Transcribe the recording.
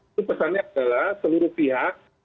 itu pesannya adalah seluruh pihak